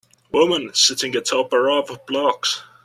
Woman sitting atop a row of blocks.